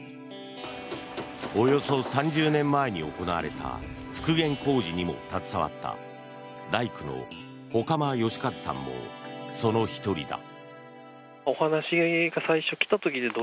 およそ３０年前に行われた復元工事にも携わった大工の外間義和さんもその１人だ。